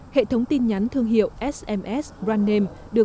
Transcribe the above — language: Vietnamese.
hệ thống tin nhắn thương hiệu sms brand name